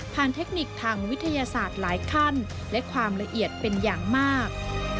เทคนิคทางวิทยาศาสตร์หลายขั้นและความละเอียดเป็นอย่างมาก